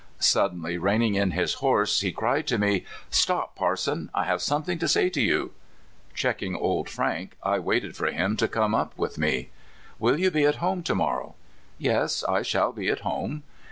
Suddenly reining in his horse, he cried to me: '* Stop, parson; I have something to say to you." Checking " Old Frank," I waited for him to come up with me. '* Will you be at home to morrow?" " Yes, I shall be at home."